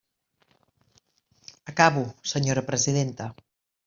Acabo, senyora presidenta.